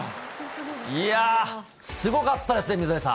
いやぁ、すごかったですね、水谷さん。